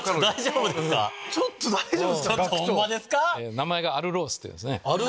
名前がアルロースというんです。